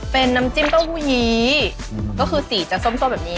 เป็นน้ำจิ้มเต้าหู้ยี้ก็คือสีจะส้มแบบนี้